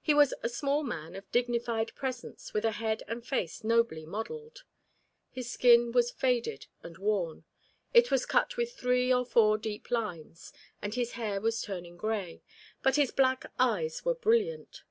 He was a small man of dignified presence with a head and face nobly modelled. His skin was faded and worn, it was cut with three or four deep lines, and his hair was turning grey, but his black eyes were brilliant.